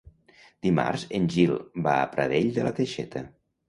Dimarts en Gil va a Pradell de la Teixeta.